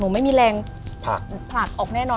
ไม่มีแรงผลักออกแน่นอน